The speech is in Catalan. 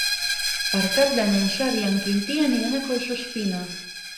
Per Cap d'Any en Xavi i en Quintí aniran a Collsuspina.